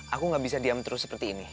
aku gak bisa diam terus seperti ini